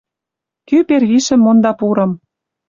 Кӱ первишӹм монда пурым